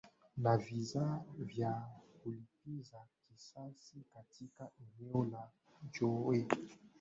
na visa vya kulipiza kisasi katika eneo la joe